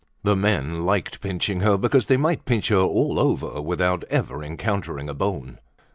The men liked pinching her, because they might pinch her all over without ever encountering a bone.